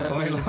kau main lama